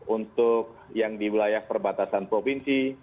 untuk yang di wilayah perbatasan provinsi